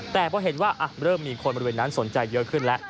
แต่พอเห็นว่าเริ่มมีคนบริเวณนั้นสนใจเยอะขึ้นแล้ว